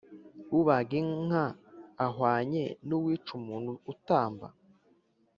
Ubaga inka ahwanye n uwica umuntu utamba